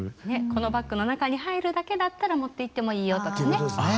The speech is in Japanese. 「このバッグの中に入るだけだったら持っていってもいいよ」とかね。